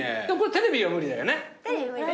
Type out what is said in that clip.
テレビ無理だね。